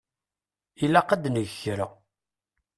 Ilaq ad neg kra.